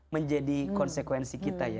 menjadi konsekuensi kita